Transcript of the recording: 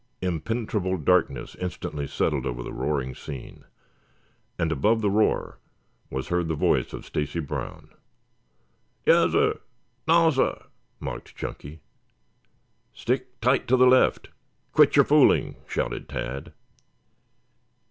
Impenetrable darkness instantly settled over the roaring scene, and above the roar was heard the voice of Stacy Brown. "Yassir. Nassir!" mocked Chunky. "Stick tight to the left. Quit your fooling!" shouted Tad.